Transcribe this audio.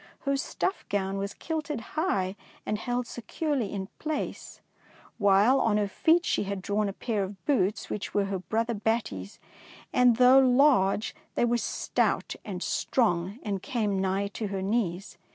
Her stuff gown was kilted high and held securely in place, while on her feet she had drawn a pair of boots which were her brother Batty ^s, and, though large, they were stout and strong and came nigh to her knees.